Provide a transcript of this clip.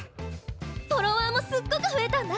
フォロワーもすっごく増えたんだ！